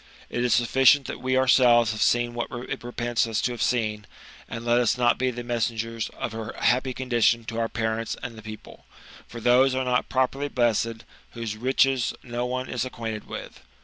It is sufficient that we ourselves have seen what it repents us to have seen, and let us not be the messengers of her happy condition to our parents and the people; for those are not poperly blessed whose riches no one is acquainted with.